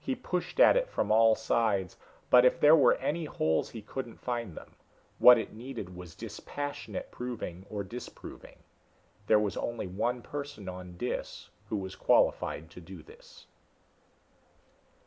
He pushed at it from all sides, but if there were any holes he couldn't find them. What it needed was dispassionate proving or disproving. There was only one person on Dis who was qualified to do this.